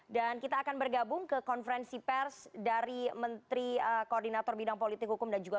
dan kita akan bergabung ke konferensi pers dari menteri koordinator bidang politik hukum dan juga